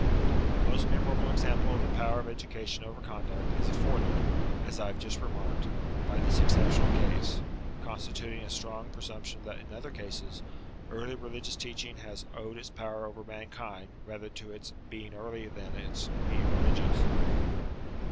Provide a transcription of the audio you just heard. The most memorable example of the power of education over conduct, is afforded (as I have just remarked) by this exceptional case ; constituting a strong presump tion that in other cases, early religious teaching has owed its power over mankind rather to its being early than to its being religious.